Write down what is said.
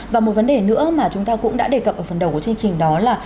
và một vấn đề nữa mà chúng ta cũng đã đề cập ở phần đầu của chương trình đó là